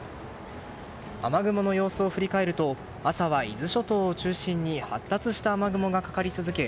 雨雲の様子を振り返ると朝は伊豆諸島を中心に発達した雨雲がかかり続け